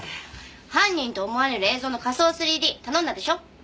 犯人と思われる映像の仮想３Ｄ頼んだでしょ。